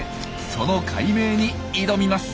その解明に挑みます。